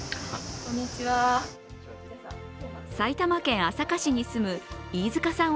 埼玉県朝霞市に住む飯塚さん